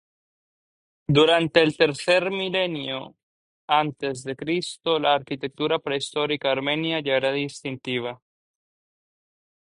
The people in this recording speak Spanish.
Durante el tercer milenio a.C, la arquitectura prehistórica armenia ya era distintiva.